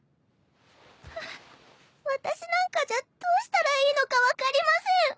ああ私なんかじゃどうしたらいいのか分かりません。